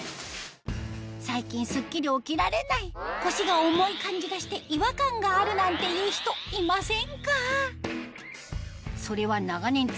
最近スッキリ起きられない腰が重い感じがして違和感があるなんていう人いませんか？